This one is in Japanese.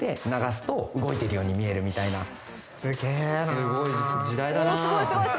すごい。時代だな。